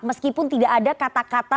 meskipun tidak ada kata kata